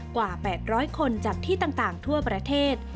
กว่า๘๐๐คนจากที่ต่างทั่วประเทศ